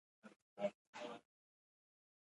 پسرلی د افغان نجونو د پرمختګ لپاره فرصتونه برابروي.